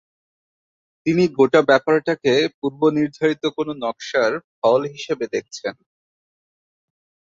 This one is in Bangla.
তিনি গোটা ব্যাপারটাকে পূর্বনির্ধারিত কোনো 'নকশার' ফল হিসেবে দেখছেন।